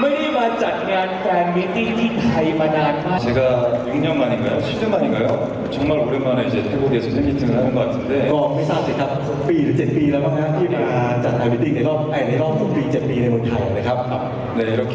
ไม่มาจัดงานแฟนมิติ้งที่ไทยมานานมาก